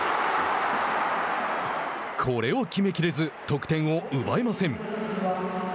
これを決めきれず得点を奪えません。